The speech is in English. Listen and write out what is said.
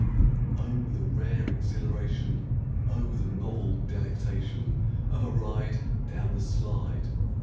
Oh, the rare exhilaration, Oh, the novel delectation Of a ride down the slide!